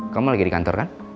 kamu lagi di kantor kan